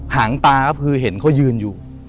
หางตาก็คือเห็นเขายืนอยู่